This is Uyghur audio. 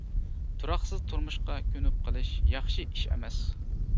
تۇراقسىز تۇرمۇشقا كۆنۈپ قېلىش ياخشى ئىش ئەمەس.